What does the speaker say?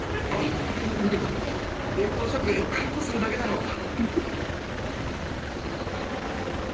お前の料理は冷凍食品を解凍するだけだろうが。